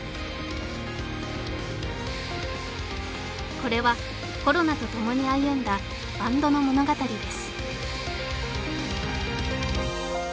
これはコロナとともに歩んだバンドの物語です